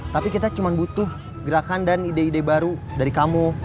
tapi kita cuma butuh gerakan dan ide ide baru dari kamu